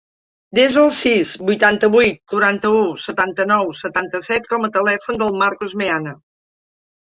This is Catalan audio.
Desa el sis, vuitanta-vuit, quaranta-u, setanta-nou, setanta-set com a telèfon del Marcos Meana.